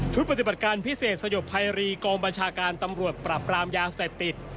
ปฏิบัติการพิเศษสยบภัยรีกองบัญชาการตำรวจปรับปรามยาเสพติด